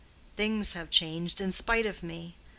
Things have changed in spite of me.